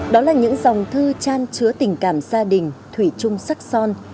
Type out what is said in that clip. đó là những dòng thư trang trứa tình cảm gia đình thủy trung sắc son